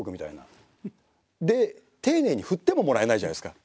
で丁寧に振ってももらえないじゃないですか。